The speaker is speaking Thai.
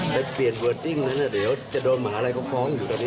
ไปเปลี่ยนเวิร์ดติ้งนั้นเดี๋ยวจะโดนหมาอะไรเขาฟ้องอยู่ตรงนี้